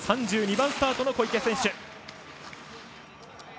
３２番スタートの小池選手。